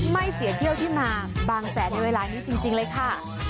ไม่เสียเที่ยวที่มาบางแสนในเวลานี้จริงเลยค่ะ